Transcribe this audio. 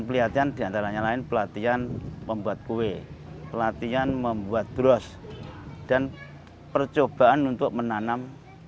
pelatihan diantaranya lain pelatihan membuat kue pelatihan membuat dross dan percobaan untuk menanam